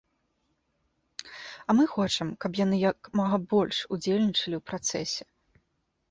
А мы хочам, каб яны як мага больш ўдзельнічалі ў працэсе.